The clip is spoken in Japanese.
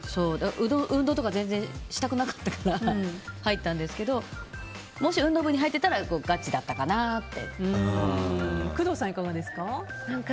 運動とか全然したくなかったから入ったんですけどもし運動部に入ってたら工藤さん、いかがですか？